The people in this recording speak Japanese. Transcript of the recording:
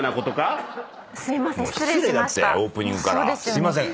すいません。